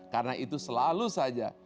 karena itu selalu saja